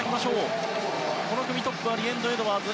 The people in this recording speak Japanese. この組トップはリエンド・エドワーズ。